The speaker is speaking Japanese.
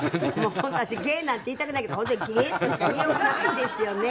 本当、私ゲッ！なんて言いたくないけど本当に、ゲッ！としか言いようがないですよね。